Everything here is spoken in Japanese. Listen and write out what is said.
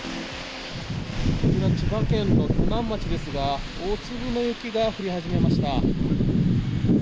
千葉県の鋸南町ですが、大粒の雪が降り始めました。